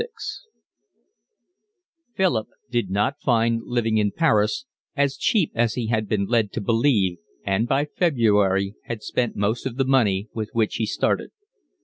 XLVI Philip did not find living in Paris as cheap as he had been led to believe and by February had spent most of the money with which he started.